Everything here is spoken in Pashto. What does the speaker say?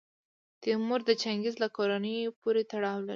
تیمور د چنګیز له کورنۍ پورې تړاو لري.